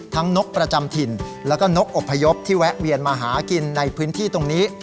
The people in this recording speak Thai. นกประจำถิ่นแล้วก็นกอบพยพที่แวะเวียนมาหากินในพื้นที่ตรงนี้